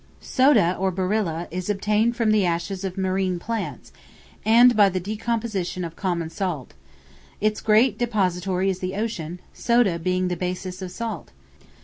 Soda, or barilla, is obtained from the ashes of marine plants, and by the decomposition of common salt; its great depository is the ocean, soda being the basis of salt.